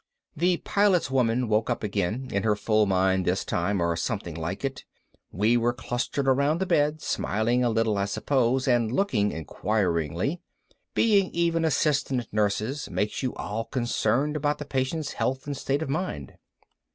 The Pilot's woman woke up again, in her full mind this time or something like it. We were clustered around the bed, smiling a little I suppose and looking inquiring. Being even assistant nurses makes you all concerned about the patient's health and state of mind.